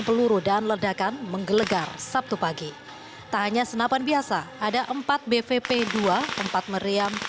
peluru dan ledakan menggelegar sabtu pagi tanya senapan biasa ada empat bvp dua puluh empat meriam